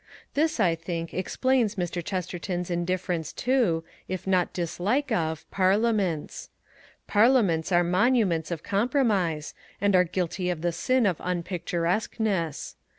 This, I think, explains Mr. Chesterton's indifference to, if not dislike of, Parliaments. Parliaments are monuments of compromise, and are guilty of the sin of unpicturesqueness.